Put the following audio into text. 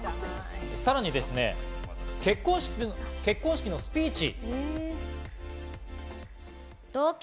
さらにですね、結婚式のスピーチ。